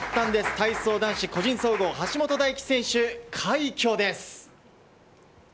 体操男子個人総合橋本大輝選手、快挙です。